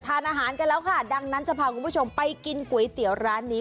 ทานอาหารกันแล้วค่ะดังนั้นจะพาคุณผู้ชมไปกินก๋วยเตี๋ยวร้านนี้